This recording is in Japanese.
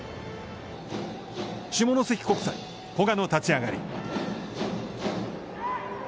下関国際、古賀の立ち上がり。